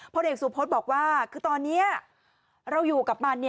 เด็กสุพธบอกว่าคือตอนนี้เราอยู่กับมัน